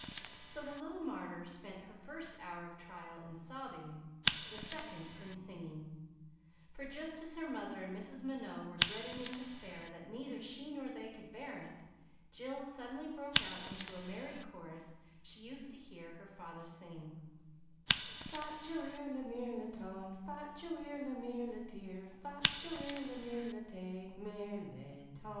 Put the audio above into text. So the little martyr spent her first hour of trial in sobbing, the second in singing, for just as her mother and Mrs. Minot were deciding in despair that neither she nor they could bear it, Jill suddenly broke out into a merry chorus she used to hear her father sing: "Faut jouer le mirliton, Faut jouer le mirlitir, Faut jouer le mirliter, Mir li ton."